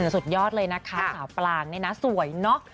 สุดยอดเลยนะคะสาวปลางนี่นะสวยเนอะ